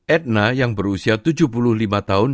etna yang berusia tujuh puluh lima tahun